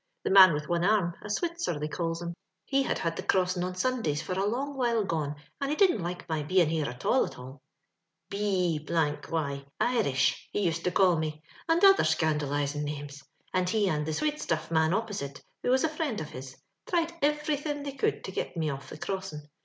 The man with one arm— a Switzer they calls him — he had had the crossin' on Sundays for a long while gone, and he didn't like my bein' here at all, at all. * B y Irish* he used to call me, and other scandalizin* names; and he and the swatestuff man opposite, who was a friend of his, tried everythin' they could to git me off the crossin*.